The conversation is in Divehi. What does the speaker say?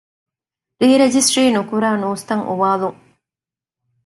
ރީ ރަޖިސްޓަރީ ނުކުރާ ނޫސްތައް އުވާލުން